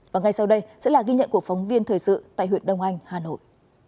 và ngay sau đây sẽ là ghi nhận của phóng viên thời sự tại huyện đông anh hà nội